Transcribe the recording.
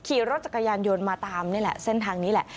ขี่รถจักรยานยนต์มาตามนี่แหละเส้นทางนี้แหละ